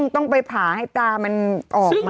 ต้องไปผ่าให้ตามันออกมา